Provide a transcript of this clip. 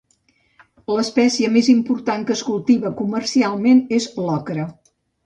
L'espècie més important que es cultiva comercialment és l'ocra.